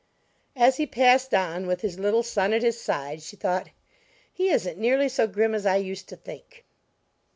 As he passed on, with his little son at his side, she thought: "He isn't nearly so grim as I used to think."